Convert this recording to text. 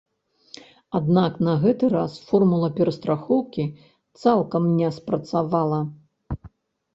Аднак на гэты раз формула перастрахоўкі цалкам не спрацавала.